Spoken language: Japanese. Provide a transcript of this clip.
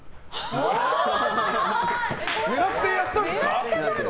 狙ってやったんですか？